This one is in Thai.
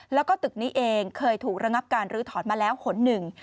แล้วก็ตึกนี้เองเคยถูกระงับการลื้อถอนมาแล้วหนหนึ่ง